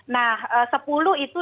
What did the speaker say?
nah sepuluh itu